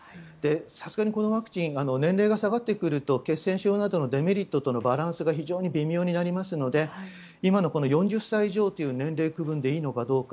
さすがに、このワクチン年齢が下がってくると血栓症などのデメリットとのバランスが非常に微妙になりますので今のこの４０歳以上という年齢区分でいいのかどうか。